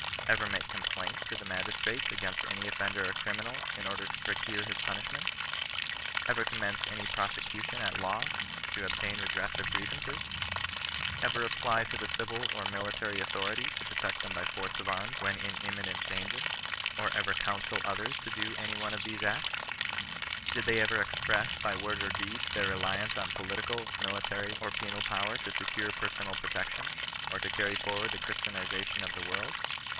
Ever make complaint to the magistrates against any oifender or criminal, in order to procure his punishment ? Ever commence any prosecution at law, to obtain redress of grievances ? Ever apply to the civil or military authoritv to protect them by force of arms when in imminent danger ? Or ever counsel others to do any one of these acts ? Bid they ever express, by word or deed, their reliance on political, military, or penal power to secure personal protection, or to carry forward the christianization of the world